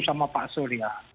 sama pak surya